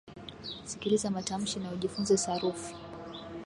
sikiliza matamshi na ujifunze sarufi